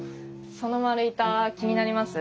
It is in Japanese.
その丸板気になります？